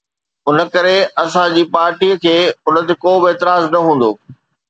ان ڪري اسان جي پارٽي کي ان تي ڪو به اعتراض نه هوندو.